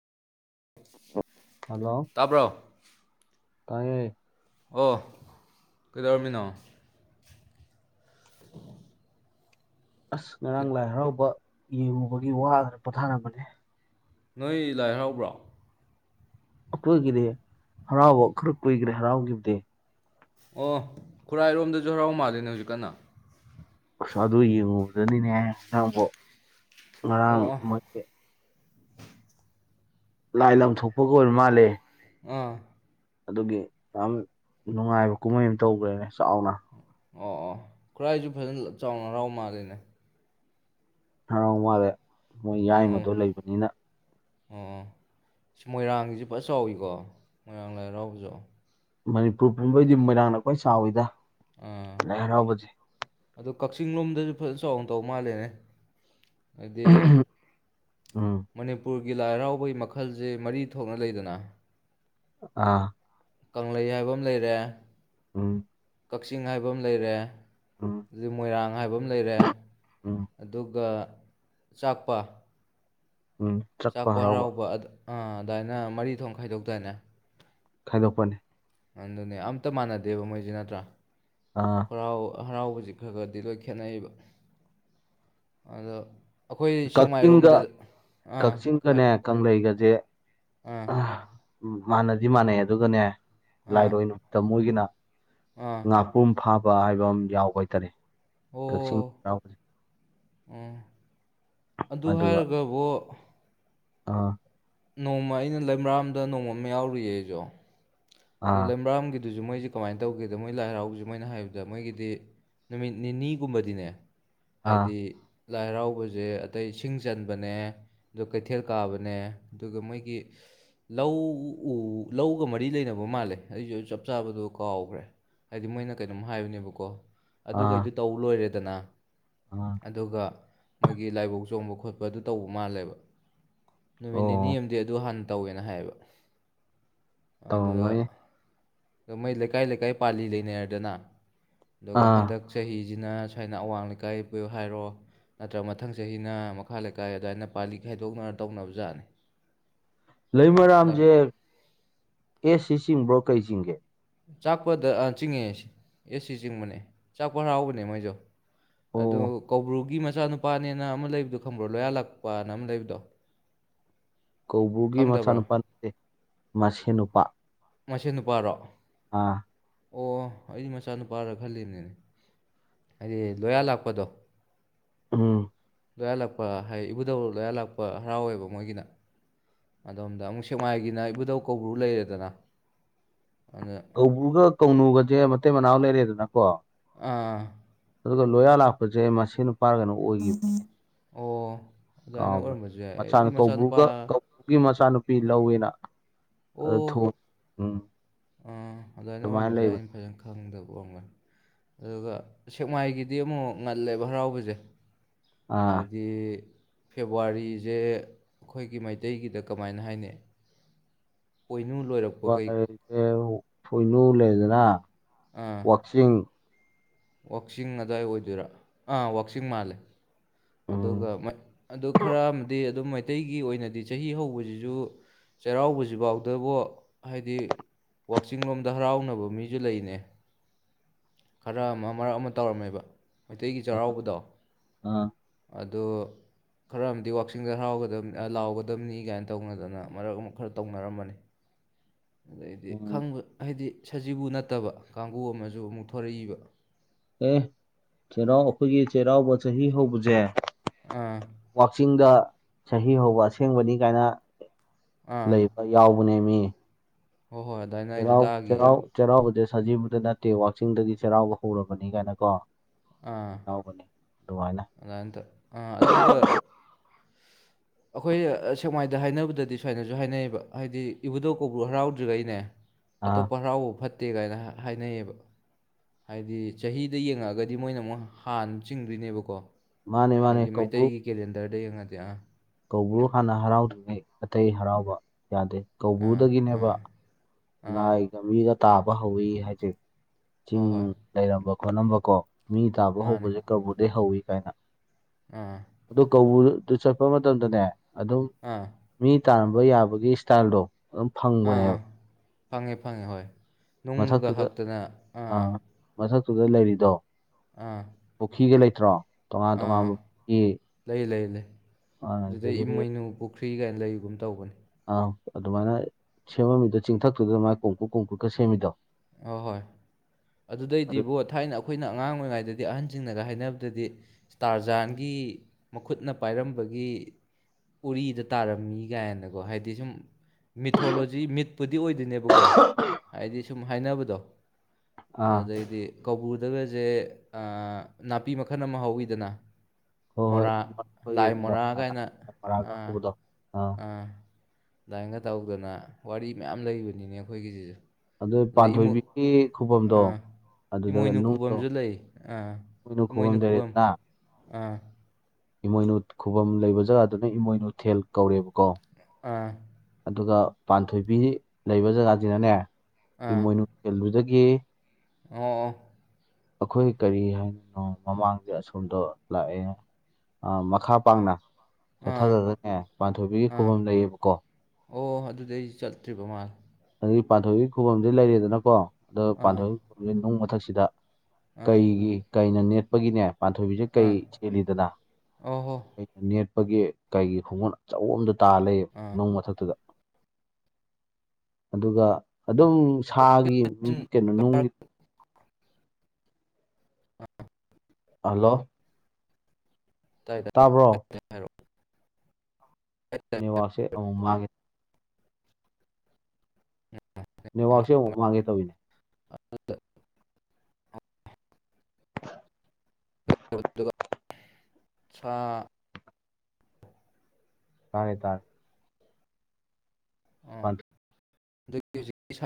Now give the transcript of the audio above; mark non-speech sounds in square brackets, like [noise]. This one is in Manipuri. ꯍꯜꯂꯣ ꯇꯕ ꯇꯥꯏꯌꯦ ꯑꯣ ꯀꯩꯗꯧꯔꯝꯃꯤꯅꯣ ꯑꯣ ꯑꯁ ꯉꯔꯥꯡ ꯂꯥꯏ ꯍꯔꯥꯎꯕ [unintelligible] ꯅꯣꯏ ꯂꯥꯏ ꯍꯔꯥꯎꯕ꯭ꯔꯣ ꯑꯩꯈꯣꯏꯒꯤꯗꯤ ꯍꯔꯥꯎꯕ ꯈꯔ ꯀꯨꯏꯈ꯭ꯔꯦ ꯍꯔꯥꯎꯈꯤꯕꯗꯤ ꯑꯣ ꯈꯨꯔꯥꯏꯔꯣꯝꯗꯁꯨ ꯍꯔꯥꯎ ꯃꯥꯜꯂꯦꯅꯦ ꯍꯧꯖꯤꯛ ꯀꯟꯅ ꯑꯁ ꯑꯗꯨ ꯌꯦꯡꯉꯨꯕꯗꯅꯤꯅꯦ ꯅꯪꯕꯣ ꯉꯔꯥꯡ ꯑꯣ ꯑꯣ ꯃꯦ ꯂꯥꯏ ꯂꯪꯊꯣꯛꯄꯒ ꯑꯣꯏꯕ ꯃꯥꯜꯂꯦ ꯑꯥ ꯑꯗꯨꯒꯤ ꯌꯥꯝ ꯅꯨꯡꯉꯥꯏꯕ ꯀꯨꯝꯍꯩ ꯑꯃ ꯇꯧꯈ꯭ꯔꯦꯅꯦ ꯆꯥꯎꯅ ꯑꯣ ꯑꯣ ꯈꯨꯔꯥꯏꯁꯨ ꯐꯖꯅ ꯆꯥꯎꯅ ꯍꯔꯥꯎ ꯃꯥꯜꯂꯤꯅꯦ ꯑꯃꯗꯦ [unintelligible] ꯃꯣꯏ ꯑꯣ ꯑꯣ ꯌꯥꯏꯃꯗꯣ ꯂꯩꯕꯅꯤꯅ ꯑꯣ ꯁꯤ ꯃꯣꯏꯔꯥꯡꯒꯤꯁꯤ ꯐ ꯆꯥꯎꯋꯤꯀꯣ ꯃꯣꯏꯔꯥꯡ ꯂꯥꯏꯔꯥꯎꯕꯁꯨ ꯃꯅꯤꯄꯨꯔ ꯄꯨꯝꯕꯩꯗꯤ ꯃꯣꯏꯔꯥꯡꯅꯈꯣꯏ ꯆꯥꯎꯋꯤꯗ ꯂꯩ ꯅꯕꯗꯤ ꯑꯗꯨ ꯀꯛꯆꯤꯡ ꯂꯣꯝꯗꯁꯨ ꯐꯖꯅ ꯆꯥꯎꯅ ꯇꯧ ꯃꯥꯜꯂꯦꯅꯦ ꯍꯥꯏꯗꯤꯩ ꯎꯝ ꯃꯅꯤꯄꯨꯔ ꯒꯤ ꯂꯥꯏ ꯍꯔꯥꯎꯕꯒꯤ ꯃꯈꯜꯁꯦ ꯃꯔꯤ ꯊꯣꯛꯅ ꯂꯩꯗꯅ ꯑꯥ ꯀꯪꯂꯩ ꯍꯥꯏꯕ ꯑꯃ ꯂꯩꯔꯦ ꯎꯝ ꯀꯛꯆꯤꯡ ꯍꯥꯏꯕ ꯑꯃ ꯂꯩꯔꯦ ꯎꯝ ꯑꯗꯨ ꯃꯣꯏꯔꯥꯡ ꯍꯥꯏꯕ ꯑꯃ ꯂꯩꯔꯦ ꯎꯝ ꯑꯗꯨꯒ ꯆꯥꯛꯄ ꯎꯝ ꯆꯠꯄ ꯍꯔꯥꯎꯕ ꯑꯥ ꯑꯗꯨꯃꯥꯏꯅ ꯃꯔꯤ ꯊꯣꯛ ꯈꯥꯏꯗꯣꯛꯇꯏꯅꯦ ꯈꯥꯏꯗꯣꯛꯄꯅꯦ ꯑꯗꯨꯅꯦ ꯑꯝꯇ ꯃꯥꯟꯅꯗꯦꯕ ꯃꯣꯏꯁ ꯅꯠꯇ꯭ꯔꯥ ꯑꯥ ꯀꯔꯥꯎ ꯍꯔꯥꯎꯕꯁꯤ ꯈꯔ ꯈꯔꯗꯤ ꯂꯣꯏ ꯈꯦꯠꯅꯩꯕ ꯑꯗꯣ ꯑꯩꯈꯣꯏ ꯀꯛꯆꯤꯡꯒ ꯁꯦꯛꯃꯥꯏꯔꯣꯝꯗ ꯑꯥ ꯑꯥ ꯀꯛꯆꯤꯡꯒꯅꯦ ꯀꯪꯂꯩꯒꯁꯦ ꯎꯝ ꯃꯥꯟꯅꯗꯤ ꯃꯥꯟꯅꯩ ꯑꯗꯨꯒꯅꯦ ꯑꯥ ꯂꯥꯏꯔꯣꯏ ꯅꯨꯃꯤꯠꯇ ꯃꯣꯏꯒꯤꯅ ꯑꯥ ꯉꯥꯄꯨꯝ ꯐꯥꯞ ꯍꯥꯏꯕ ꯑꯃ ꯌꯥꯎꯕ ꯑꯣꯏꯇꯥꯔꯦ ꯀꯛꯤꯡ ꯑꯝ ꯑꯗꯨ ꯍꯥꯏꯔꯒꯕꯨ ꯑꯥ ꯅꯣꯡꯃ ꯑꯩꯅ ꯂꯩꯃꯔꯥꯝꯗ ꯅꯣꯡꯃ ꯑꯃ ꯌꯥꯎꯔꯨꯏꯌꯦ ꯑꯩꯖꯣ ꯑꯗꯨ ꯑꯥ ꯂꯩꯃꯔꯥꯝꯒꯤ ꯑꯗꯨꯖꯨ ꯃꯣꯏꯖꯤ ꯀꯃꯥꯏꯟ ꯇꯧꯒꯦꯗ ꯃꯣꯏ ꯂꯥꯏ ꯍꯔꯥꯎꯁꯦ ꯃꯣꯏꯅ ꯍꯥꯏꯕꯗ ꯃꯣꯏꯒꯤꯗꯤ ꯅꯨꯃꯤꯠ ꯅꯤꯅꯤꯒꯨꯝꯕꯗꯤꯅꯦ ꯑꯥ ꯍꯥꯏꯗꯤ ꯂꯥꯏ ꯍꯔꯥꯎꯕꯖꯦ ꯑꯇꯩ ꯁꯤꯡ ꯆꯟꯕꯅꯦ ꯑꯗꯨ ꯀꯩꯊꯦꯜ ꯀꯥꯕꯅꯦ ꯑꯗꯨꯒ ꯃꯣꯏꯒꯤ ꯂꯧ ꯎ ꯂꯧꯒ ꯃꯔꯤ ꯂꯩꯅꯕ ꯕ ꯃꯥꯜꯂꯦ ꯑꯩꯁꯨ ꯆꯞ ꯆꯥꯕꯗꯣ ꯀꯥꯎꯒ꯭ꯔꯦ ꯍꯥꯏꯗꯤ ꯃꯣꯏꯅ ꯀꯩꯩꯅꯣꯝ ꯍꯥꯏꯕꯅꯦꯕꯀꯣ ꯑꯥ ꯑꯗꯨꯒꯩꯗꯨ ꯇꯧ ꯂꯣꯏꯔꯦ ꯗꯅ ꯑꯥ ꯑꯗꯨꯒ ꯃꯣꯏꯒꯤ ꯂꯥꯏꯕꯧ ꯆꯣꯡꯕ ꯈꯣ ꯈꯣꯠꯄ ꯑꯗꯨ ꯇꯧꯕ ꯃꯥꯜꯂꯦꯕ ꯅꯨꯃꯤꯠ ꯑꯣ ꯅꯤꯅꯤ ꯑꯝꯗꯤ ꯑꯗꯨ ꯍꯥꯟꯕ ꯇꯧꯋꯦꯅ ꯍꯥꯏꯌꯦꯕ ꯇꯧꯔꯝꯒꯅꯤ ꯑ ꯃꯣꯏ ꯂꯩꯀꯥꯏ ꯂꯩꯀꯥꯏ ꯄꯥꯜꯂꯤ ꯂꯩꯅꯔꯦꯗꯅ ꯑꯗꯨꯒ ꯑꯥ ꯍꯟꯗꯛ ꯆꯍꯤ ꯖꯤ ꯖꯤꯅ ꯁꯨꯋꯥꯏꯅ ꯑꯋꯥꯡ ꯂꯩꯀꯥꯏ ꯄꯨꯌꯣ ꯍꯥꯏꯔꯣ ꯅꯠꯇ꯭ꯔꯒ ꯃꯊꯪ ꯆꯍꯤꯅ ꯃꯈꯥ ꯂꯩꯀꯥꯏ ꯑꯗꯨꯃꯥꯏꯅ ꯄꯥꯜꯂꯤ ꯈꯥꯏꯗꯣꯛꯅꯔ ꯇꯧꯅꯕ ꯖꯥꯠꯅꯤ ꯂꯩꯃꯔꯥꯝꯖꯦ ꯑꯦ ꯁꯤ ꯆꯡꯤꯕ꯭ꯔꯣ ꯀꯩꯆꯤꯡꯒꯦ ꯆꯥꯛꯄꯗ ꯑ ꯆꯤꯡꯉꯦ ꯁ ꯑꯦꯁ ꯁꯤ ꯆꯤꯡꯕꯅꯦ ꯆꯥꯛꯄ ꯍꯔꯥꯎꯕꯅꯦ ꯃꯣꯏꯁꯨ ꯑꯗꯨ ꯑꯣ ꯀꯧꯕ꯭ꯔꯨꯒꯤ ꯃꯆꯥꯅꯨꯄꯥꯅꯦꯅ ꯑꯃ ꯂꯩꯕꯗꯣ ꯈꯪꯕ꯭ꯔꯣ ꯂꯣꯌꯥꯜꯂꯛꯄꯅ ꯑꯃ ꯂꯩꯕꯗꯣ ꯀꯧꯕ꯭ꯔꯨꯒꯤ ꯈꯪꯗꯕ꯭ꯔꯥ ꯃꯆꯥꯅꯨꯄ ꯇꯦ ꯃꯁꯦꯟ ꯅꯨꯨꯄꯥ ꯃꯁꯦꯟ ꯅꯨꯄꯥꯔꯣ ꯑꯥ ꯑꯣ ꯑꯩꯗꯤ ꯃꯆꯥꯅꯨꯄꯥꯔꯥ ꯈꯜꯂꯤꯅꯤꯅꯦ ꯍꯥꯏꯗꯤ ꯂꯣꯌꯥ ꯂꯥꯛꯄꯗꯣ ꯎꯝ ꯂꯣꯌꯥꯂꯥꯛꯄ ꯍꯥꯏ ꯏꯕꯨꯙꯧ ꯂꯣꯌꯥꯂꯥꯛꯄ ꯍꯔꯥꯎꯋꯦꯕ ꯃꯣꯏꯒꯤꯅ ꯑꯗꯣꯝꯗ ꯑꯃꯨꯛ ꯁꯦꯛꯃꯥꯏꯒꯤꯅ ꯏꯕꯨꯙꯧ ꯀꯧꯕ꯭ꯔꯨ ꯂꯩꯔꯦꯗꯅ ꯑꯗꯨꯅ ꯀꯧꯕ꯭ꯔꯨꯒ ꯀꯧꯅꯨꯒꯖꯦ ꯃꯇꯩ ꯃꯅꯥꯎ ꯂꯩꯔꯦꯗꯅ ꯀꯣ ꯑꯥ ꯑꯗꯨꯒ ꯂꯣꯌꯥ ꯂꯥꯛꯄꯁꯦ ꯃꯁꯦꯟ ꯅꯨꯄ ꯄꯥ ꯀꯩꯅꯣ ꯑꯣꯏꯈꯤꯕꯅꯤꯅꯦ ꯑꯣ ꯑꯗꯨꯃꯥꯏꯅ ꯀꯥꯎꯒ꯭ꯔꯦ ꯑꯣꯏꯔꯝꯕꯁꯨ ꯌꯥꯏ ꯃꯆꯥꯅ ꯑꯩꯗꯤ ꯃꯆꯥꯅꯨꯄꯥ ꯀꯧꯕ꯭ꯔꯨꯒ ꯀꯧꯕ꯭ꯔꯨꯒꯤ ꯃꯆꯥꯅꯨꯄꯤ ꯂꯧꯋꯦꯅ ꯑꯣ ꯑꯗꯨ ꯊꯣꯡ ꯎꯝ ꯑꯥ ꯑꯗꯨꯏꯅ ꯑꯗꯨꯃꯥꯏꯅ ꯑꯣꯏꯔꯝꯕꯁꯦ ꯂꯩꯕꯅꯦ ꯑꯩꯅ ꯐꯖꯅ ꯈꯪꯗꯕ ꯀꯣꯛꯝꯒꯅꯤ ꯑꯗꯨꯒ ꯁꯦꯛꯃꯥꯏꯒꯤꯗꯤ ꯑꯃꯨꯛ ꯉꯜꯂꯦꯕ ꯍꯔꯥꯎꯕꯁꯦ ꯑꯥ ꯍꯥꯏꯗꯤ ꯐꯦꯕꯋꯥꯔꯤꯁꯦ ꯑꯩꯈꯣꯏꯒꯤ ꯃꯩꯇꯩꯒꯤꯗ ꯀꯃꯥꯏꯅ ꯍꯥꯏꯅꯩ [unintelligible] ꯑ ꯑꯥ ꯋꯥꯛꯆꯤꯡ ꯋꯥꯛꯆꯤꯡ ꯑꯗꯨꯗꯥꯋꯥꯏ ꯑꯣꯏꯗꯣꯏꯔꯥ ꯑꯥ ꯋꯥꯛꯆꯤꯡ ꯃꯥꯜꯂꯦ ꯑꯗꯨꯒ ꯎꯝ ꯑꯗꯨ ꯈꯔ ꯑꯃꯗꯤ ꯑꯗꯨꯝ ꯃꯩꯇꯩꯒꯤ ꯑꯣꯏꯅꯗꯤ ꯆꯍꯤ ꯍꯧꯕꯁꯤꯁꯨ ꯆꯩꯔꯥꯎꯕꯁꯤꯐꯥꯎꯗꯕꯨ ꯍꯥꯏꯗꯤ ꯋꯥꯛꯆꯤꯡ ꯂꯣꯝꯗ ꯍꯔꯥꯎꯅꯕ ꯃꯤꯁꯨ ꯂꯩꯅꯦ ꯈꯔ ꯑꯃ ꯃꯔꯛ ꯑꯃ ꯇꯧꯔꯝꯃꯦꯕ ꯃꯩꯇꯩꯒꯤ ꯑꯥ ꯆꯩꯔꯥꯎꯕꯗꯣ ꯑꯥ ꯑꯣ ꯈꯔ ꯑꯃꯗꯤ ꯋꯥꯛꯆꯁꯤꯡꯗ ꯍꯔꯥꯎ ꯂꯥꯎꯒꯗꯕꯅꯤ ꯀꯥꯏꯅ ꯇꯧꯅꯗꯅ ꯃꯔꯛ ꯑꯃ ꯈꯔ ꯇꯧꯅꯔꯝꯕꯅꯤ ꯑꯗꯗꯒꯤꯗꯤ ꯎꯝ ꯈꯪꯕ ꯍꯥꯏꯗꯤ ꯁꯖꯤꯕꯨ ꯅꯠꯇꯕ ꯀꯥꯡꯕꯨ ꯑꯃꯁꯨ ꯑꯃꯨꯛ ꯊꯣꯔꯤꯛꯏꯕ ꯑꯦ ꯆꯩꯔꯥꯎ ꯑꯩꯈꯣꯏꯒꯤ ꯆꯩꯔꯥꯎꯕ ꯆꯍꯤ ꯍꯧꯕꯁꯦ ꯑꯥ ꯋꯥꯛꯆꯤꯡꯗ ꯆꯍꯤ ꯍꯧꯕ ꯑꯁꯦꯡꯕꯅꯤ ꯀꯥꯏꯅ ꯑꯥ ꯂꯩꯕ ꯌꯥꯎꯕꯅꯦ ꯃꯤ [unintelligible] ꯍꯣꯏ ꯍꯣꯏ ꯑꯗꯨꯃꯥꯏꯅ ꯑꯩꯁꯨ ꯆꯩꯔꯥꯎ ꯇꯥꯈꯤꯌꯦ ꯆꯔꯥꯎ ꯆꯔꯥꯎꯕꯁꯦ ꯁꯖꯤꯕꯨꯗ ꯅꯠꯇꯦ ꯋꯥꯛꯆꯤꯡꯗꯗꯤ ꯆꯩꯔꯥꯎꯕ ꯍꯧꯔꯕꯅꯤ ꯀꯥꯏꯅ ꯀꯣ ꯑꯥ ꯌꯥꯎꯕꯅꯦ ꯑꯗꯨꯃꯥꯏꯅ ꯑꯗꯨꯅꯇ ꯑꯥ ꯑꯗꯨꯒ ꯑꯩꯈꯣꯏ ꯁꯦꯛꯃꯥꯏꯗ ꯍꯥꯏꯅꯕꯗꯗꯤ ꯁꯨꯃꯥꯏꯅꯁꯨ ꯍꯥꯏꯅꯩꯌꯦꯕ ꯍꯥꯏꯗꯤ ꯏꯕꯨꯗꯧ ꯀꯧꯕ꯭ꯔꯨ ꯍꯔꯥꯎꯗ꯭ꯔꯤꯒꯩꯅꯦ ꯑꯥ ꯑꯇꯣꯞꯄꯥ ꯍꯔꯥꯎꯕꯥ ꯐꯠꯇ ꯐꯠꯇꯦ ꯀꯥꯏꯅ ꯍꯥꯏꯅꯩꯌꯦꯕ ꯍꯥꯏꯗꯤ ꯆꯍꯤꯗ ꯌꯦꯡꯉꯛꯑꯒꯗꯤ ꯃꯣꯏꯅ ꯑꯃꯨꯛ ꯍꯥꯟꯅ ꯆꯤꯡꯗꯣꯏꯅꯦꯕꯀꯣ ꯃꯥꯅꯦ ꯃꯥꯅꯦ ꯀꯧꯕ꯭ꯔꯨ ꯌꯦꯉꯗꯤ ꯌꯥ ꯀꯧꯕ꯭ꯔꯨ ꯍꯥꯟꯅ ꯍꯔꯥꯎꯗ꯭ꯔꯤꯉꯩ ꯑꯇꯩ ꯍꯔꯥꯎꯕ ꯌꯥꯗꯦ ꯑꯥ ꯀꯧꯕ꯭ꯔꯨꯗꯒꯤꯅꯦꯕ ꯑꯥ ꯑꯥ ꯂꯥꯏꯒ ꯃꯤꯒ ꯇꯥꯕ ꯍꯧꯏ ꯍꯥꯏꯖꯤ ꯆꯤꯡ ꯍꯣꯏ ꯍꯣꯏ ꯅꯨꯡ [unintelligible] ꯃꯤ ꯇꯥꯕ ꯃꯥꯅꯦ ꯍꯧꯕꯁꯦ ꯀꯕꯨꯗꯩꯩ ꯍꯧꯋꯤ ꯀꯥꯏꯅ ꯑꯥ ꯑꯗꯣ ꯀꯧꯕꯔꯨ ꯑꯗꯨ ꯆ ꯏ ꯃ ꯃꯇꯝꯣꯗꯨꯅꯦ ꯑꯗꯨꯝ ꯑꯥ ꯃꯤ ꯇꯥꯝꯕ ꯌꯥꯕꯒꯤ ꯏꯁꯇꯥꯏꯜꯗꯣ ꯑꯗꯨꯝ ꯑꯥ ꯑꯥ ꯐꯪꯕꯅꯦꯕ ꯐꯪꯉꯦ ꯐꯪꯉꯦ ꯍꯣꯏ ꯅꯨꯡꯒ ꯃꯊꯛꯇꯨꯗ ꯍꯛꯇꯅ ꯇꯨꯗ ꯂꯩꯔꯤꯗꯣ ꯑꯥ ꯄꯨꯈꯒ ꯅꯠꯇ꯭ꯔꯣ ꯇꯣꯉꯥꯟ ꯑꯥ ꯇꯣꯉꯀꯤ ꯂꯩ ꯂꯩ ꯂꯩ ꯑꯗꯨꯗꯩ ꯏꯃꯣꯏꯅꯨ ꯄꯨꯈ꯭ꯔꯤ ꯀꯥꯏꯅ ꯂꯩꯒꯨꯝ ꯇꯧꯕꯅꯤ ꯑꯥ ꯑꯗꯨꯃꯥꯏꯅ ꯁꯦꯝꯃꯝꯃꯤꯗ ꯆꯤꯡꯊꯛꯇꯨꯗꯅ ꯃꯥꯏ ꯀꯣꯡꯀꯨꯞ ꯀꯣꯡꯀꯨꯨꯞꯀ ꯁꯦꯝꯃꯤꯗꯣ ꯑꯍꯣꯏ ꯑꯗꯨꯗꯩꯗꯤ ꯑꯗꯨ ꯕꯣ ꯊꯥꯏꯅ ꯑꯩꯈꯣꯏꯅ ꯑꯉꯥꯡ ꯑꯣꯏꯔꯤꯉꯩꯗꯗꯤ ꯑꯍꯟꯁꯤꯡꯅꯒ ꯍꯥꯏꯅꯕꯗꯗꯤ ꯏꯁꯇꯥꯔ ꯖꯥꯟꯒꯤ ꯃꯈꯨꯠꯅ ꯄꯥꯏꯔꯝꯕꯒꯤ ꯎꯔꯤꯗ ꯇꯥꯔꯝꯃꯤ ꯀꯥꯏꯅꯀꯣ ꯍꯥꯏꯗꯤ ꯁꯨꯝ ꯃꯤꯊꯣꯂꯣꯖꯤ ꯃꯤꯠꯄꯨꯗꯤ ꯑꯣꯏꯗꯣꯏꯅꯦꯕꯀꯣ ꯍꯥꯏꯗꯤ ꯍꯥꯏꯅꯕꯗꯣ ꯑꯥ ꯑꯗꯨꯗꯩꯗꯤ ꯀꯧꯕ꯭ꯔꯗꯒꯁꯦ ꯅꯥꯄꯤ ꯃꯈꯜ ꯑꯃ ꯍꯧꯋꯤꯗꯅ ꯍꯣꯏ ꯍꯣꯏ ꯃꯣꯔꯥ ꯑꯩꯈꯣꯏꯒꯤ ꯂꯥꯏ ꯃꯣꯔꯥ ꯃꯣꯔꯥꯒ ꯀꯥꯏꯅ ꯃꯣꯔꯥꯒ ꯑꯥ ꯍꯧꯕꯗꯣ ꯑꯥ ꯑꯗꯨꯃꯥꯏꯒ ꯇꯧꯗꯅ ꯋꯥꯔꯤ ꯃꯌꯥꯝ ꯂꯩꯕꯅꯤꯅꯦ ꯑꯩꯈꯣꯏꯒꯤꯁꯤꯁꯨ ꯑꯗꯨ ꯑꯗꯩ ꯏꯃꯨ ꯄꯥꯟꯊꯣꯏꯕꯤꯒꯤ ꯈꯨꯕꯝꯗꯣ ꯑꯥ ꯑꯗꯨꯗꯒ ꯏꯃꯣꯏꯅꯨ ꯅꯨꯡꯗꯣ ꯈꯨꯕꯝꯁꯨ ꯂꯩ ꯑꯥ ꯀꯅ ꯈꯨꯕꯝ ꯂꯩꯔꯦꯗꯅ ꯑꯥ ꯏꯃꯣꯏꯅꯨ ꯈꯨꯕꯝ ꯂꯩꯕ ꯖꯒꯥꯗꯨꯅ ꯏꯃꯣꯏꯅꯨꯊꯦꯜ ꯀꯧꯔꯦꯕꯀꯣ ꯑꯥ ꯑꯗꯨꯒ ꯄꯥꯟꯊꯣꯏꯕꯤ ꯂꯩꯕ ꯖꯒꯥꯁꯤꯅꯅꯦ ꯑꯥ ꯍꯃꯣꯏꯅ ꯀꯦꯜꯂꯗꯦ ꯌꯦ ꯑꯣ ꯑꯩꯈꯣꯏ ꯀꯔꯤ ꯍꯥꯏꯔꯤꯅꯣ ꯃꯃꯥꯡꯗ ꯑꯁꯣꯝꯗ ꯂꯥꯛꯑꯦ ꯃꯈꯥ ꯄꯥꯡꯅ ꯑꯥ ꯆꯠꯊꯔꯒꯅꯦ ꯄꯥꯟꯊꯣꯏꯕꯤꯒꯤ ꯑꯥ ꯈꯨꯕꯝ ꯂꯩꯌꯦꯕꯀꯣ ꯑꯣ ꯑꯗꯨꯗꯩ ꯆꯠꯇ꯭ꯔꯤꯕ ꯃꯥꯜ ꯑꯗꯒꯤ ꯄꯥꯟꯊꯣꯏꯒꯤ ꯈꯨꯕꯝꯁ ꯂꯩꯔꯦꯗꯅꯀꯣ ꯑꯗ ꯑꯥ ꯄꯥꯟꯣꯡ ꯃꯊꯛ ꯁꯤꯗ ꯑꯥ ꯀꯩꯒꯤ ꯀꯩꯅ ꯄꯒꯤꯅꯦ ꯄꯥꯟꯊꯣꯏꯕꯤꯁꯦ ꯀꯩ ꯑꯥ ꯆꯦꯜꯂꯤꯗꯅ ꯑꯣ ꯍꯣ ꯑꯩꯈꯣꯏꯒꯤ ꯀꯩꯒꯤ ꯈꯨꯡꯒꯣꯣꯟ ꯑꯣꯝꯗ ꯇꯥ ꯂꯩꯌꯦ ꯑꯥ ꯃꯣꯡ ꯃꯊꯛꯇꯨꯗ ꯑꯗꯨꯒ ꯑꯗꯨꯝ ꯁꯥꯒꯤ ꯃꯤꯒꯤ ꯆꯤꯡ ꯀꯩꯅꯣꯅꯨꯡꯒꯤ ꯀꯥꯔꯛꯇꯥꯏ ꯑꯥ ꯍꯜꯂꯣ ꯇꯥꯏ ꯇꯥꯕ꯭ꯔꯣ ꯇꯥꯏ [unintelligible] ꯅ ꯋꯥꯁꯦ ꯑꯨ ꯃꯥꯒꯦ ꯅ ꯋꯥꯥꯎꯁꯦ ꯃꯥꯒꯦ ꯇꯧꯃꯤꯅꯦ ꯑꯗ ꯁ ꯇꯔꯦ ꯇꯔ ꯑ [inaudible]